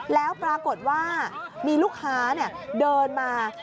แล้วปรากฏว่ามีลูกค้าเดินมา